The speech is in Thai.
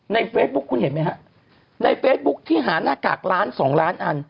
ในเฟซบุ๊คคุณเห็นไหมฮะในเฟซบุ๊คที่หาหน้ากากล้านสองล้านอัน